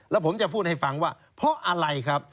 แล้วผมจะพูดให้ฟังว่าเพราะอะไรครับ